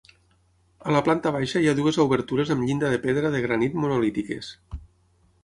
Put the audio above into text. A la planta baixa hi ha dues obertures amb llinda de pedra de granit monolítiques.